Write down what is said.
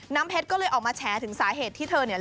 เพชรก็เลยออกมาแฉถึงสาเหตุที่เธอเนี่ย